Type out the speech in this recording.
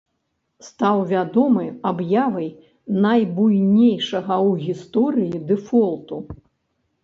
Стаў вядомы аб'явай найбуйнейшага ў гісторыі дэфолту.